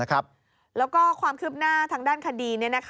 แล้วก็ความคืบหน้าทางด้านคดี